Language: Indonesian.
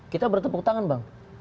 kita bertepuk tangan bang